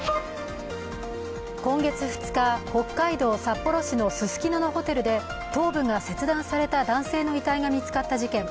今月２日、北海道札幌市のススキノのホテルで頭部が切断された男性の遺体が見つかった事件。